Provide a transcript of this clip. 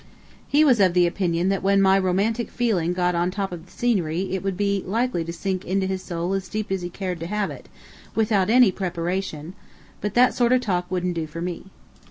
He was of the opinion that when my romantic feeling got on top of the scenery it would be likely to sink into his soul as deep as he cared to have it, without any preparation, but that sort of talk wouldn't do for me.